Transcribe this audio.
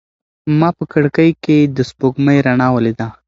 ما په کړکۍ کې د سپوږمۍ رڼا ولیده.